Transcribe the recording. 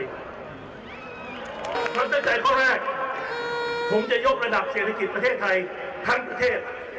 ผมตั้งใจข้อแรกผมจะยกระดับเศรษฐกิจประเทศไทยทั้งประเทศ